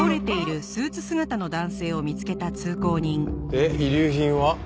で遺留品は？